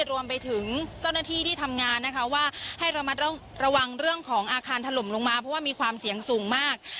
รวมไปถึงเจ้าหน้าที่ที่ทำงานนะคะว่าให้ระมัดระวังเรื่องของอาคารถล่มลงมาเพราะว่ามีความเสี่ยงสูงมาก